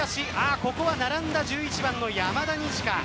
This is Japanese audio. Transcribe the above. ここは並んだ１１番の山田二千華。